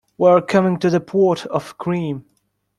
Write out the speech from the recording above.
We are coming to the pot of cream.